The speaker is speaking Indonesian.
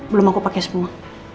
belum aku pake semua